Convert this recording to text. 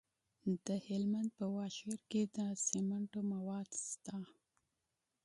د هلمند په واشیر کې د سمنټو مواد شته.